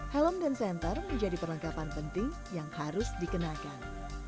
helom dan senter menjadi perlengkapan penting yang harus dikenakan